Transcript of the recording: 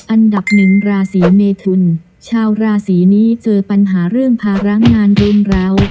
อันดับ๑ราศีเมทุนชาวราศีนี้เจอปัญหาเรื่องพาร้างงานเรื่องราว